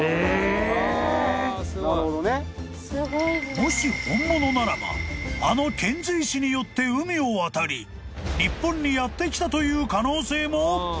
［もし本物ならばあの遣隋使によって海を渡り日本にやってきたという可能性も！？］